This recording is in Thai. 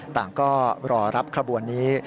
ต่างก็รอรับขบวนนี้